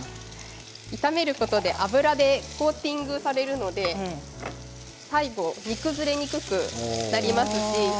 炒めることで油でコーティングされるので最後煮崩れしにくくなりますし